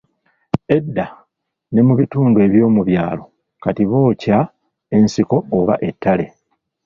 Edda, ne mu bitundu eby'omu byalo kati bookya ensiko oba ettale.